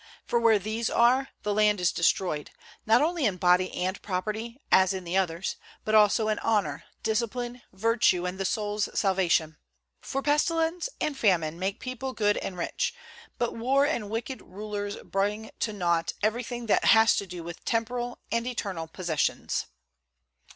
For where these are, the land is destroyed, not only in body and property, as in the others, but also in honor, discipline, virtue and the soul's salvation. For pestilence and famine make people good and rich; but war and wicked rulers bring to naught everything that has to do with temporal and eternal possessions.